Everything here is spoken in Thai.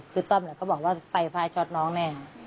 คือต้อมเขาบอกว่าไฟฟ้าช็อตน้องแน่